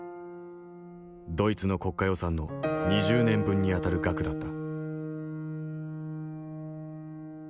ドイツの国家予算の２０年分にあたる額だった。